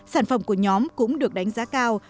sản phẩm của nhóm cũng được đánh giá cao